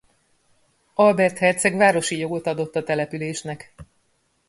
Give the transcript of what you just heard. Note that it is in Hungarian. Albert herceg városi jogot adott a településnek.